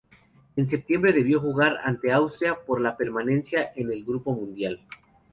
En septiembre debió jugar ante Austria por la permanencia en el Grupo Mundial.